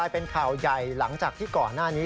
เป็นข่าวใหญ่หลังจากที่ก่อนหน้านี้